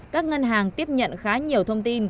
các ngân hàng tiếp nhận khá nhiều thông tin